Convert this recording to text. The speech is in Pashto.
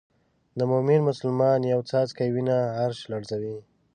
د مومن مسلمان یو څاڅکی وینه عرش لړزوي.